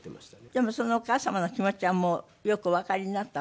でもそのお母様の気持ちはもうよくおわかりになったの？